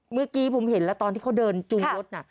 เมื่อกี้ผมเห็นแล้วตอนที่เขาเดินจูงรถน่ะ